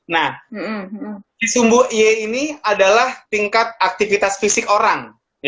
nah sumbu y ini adalah tingkat aktivitas fisik orang